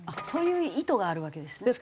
そういう意図があるわけですね。